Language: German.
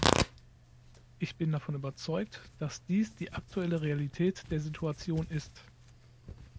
Ich bin davon überzeugt, dass dies die aktuelle Realität der Situation ist.